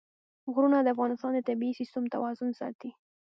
غرونه د افغانستان د طبعي سیسټم توازن ساتي.